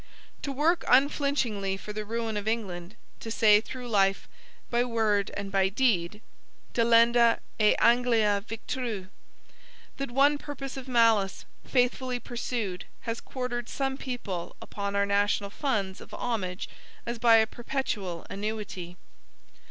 To work unflinchingly for the ruin of England; to say through life, by word and by deed Delenda est Anglia Victrix! that one purpose of malice, faithfully pursued, has quartered some people upon our national funds of homage as by a perpetual annuity.